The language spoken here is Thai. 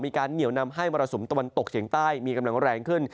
เหนียวนำให้มรสุมตะวันตกเฉียงใต้มีกำลังแรงขึ้น